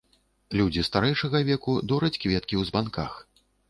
Людзі старэйшага веку дораць кветкі ў збанках.